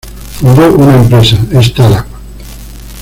Fundó una empresa "startup".